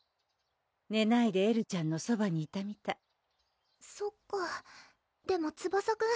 ねないでエルちゃんのそばにいたみたいそっかでもツバサくん